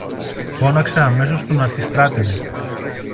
Φώναξε αμέσως τον αρχιστράτηγο